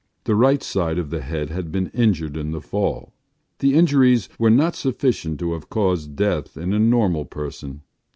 The right side of the head had been injured in the fall. The injuries were not sufficient to have caused death in a normal person.